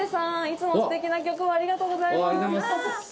いつも素敵な曲をありがとうございます」